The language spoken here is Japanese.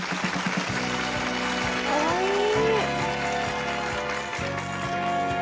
かわいい！